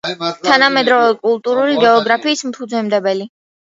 თანამედროვე კულტურული გეოგრაფიის ფუძემდებელი.